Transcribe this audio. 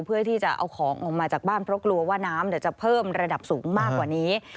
เพื่อที่จะเอาของออกมาจากบ้านเพราะกลัวว่าน้ำจะเพิ่มระดับสูงมากกว่านี้